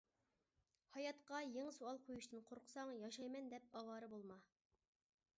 ھاياتقا يېڭى سوئال قويۇشتىن قورقساڭ، ياشايمەن دەپ ئاۋارە بولما.